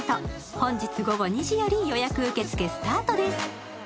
本日午後２時より予約受け付けスタートです。